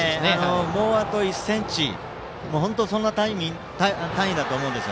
もうあと１ｃｍそんな単位だと思うんです。